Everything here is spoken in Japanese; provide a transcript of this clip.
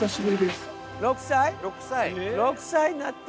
６歳になって。